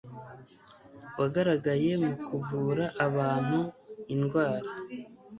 wagaragaye mu kuvura abantu, indwara